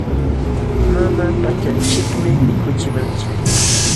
Mama pachanchikmi mikuchimanchik.